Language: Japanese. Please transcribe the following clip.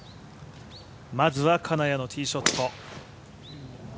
まずは金谷のティーショット。